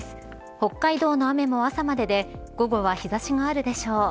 北海道も雨も朝までで午後は日差しがあるでしょう。